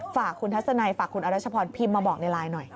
ฝากคุณทัศนัยฝากคุณอรัชพรพิมพ์มาบอกในไลน์หน่อย